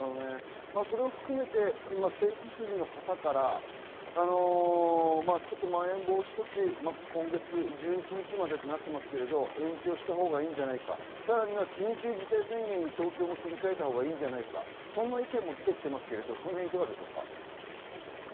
それを含めて政府筋の方からまん延防止措置、今月１１日までとなってますけど、延長した方がいいんじゃないか、さらには緊急事態宣言に東京も切り替えたほうがいいんじゃないか、そんな意見も出てきていますが、いかがですか？